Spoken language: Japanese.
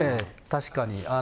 確かに。